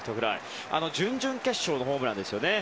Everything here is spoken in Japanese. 準々決勝のホームランですね。